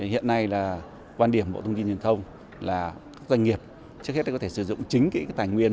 hiện nay là quan điểm bộ thông tin truyền thông là các doanh nghiệp trước hết có thể sử dụng chính tài nguyên